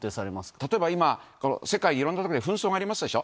例えば今、世界、いろんな所で紛争がありますでしょ。